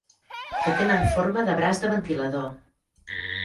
Que tenen forma de braç de ventilador.